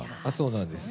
そうなんです。